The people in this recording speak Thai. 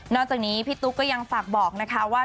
จากนี้พี่ตุ๊กก็ยังฝากบอกนะคะว่า